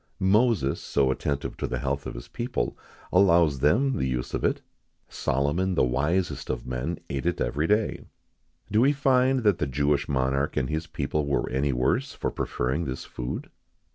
Moses, so attentive to the health of his people, allows them the use of it;[XIX 50] Solomon, the wisest of men, ate it every day.[XIX 51] Do we find that the Jewish monarch and his people were any the worse for preferring this food?